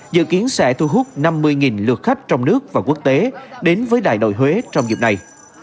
dự kiến sẽ thu hút năm mươi lượt khách trong nước và quốc tế đến với đại đội huế trong dịp này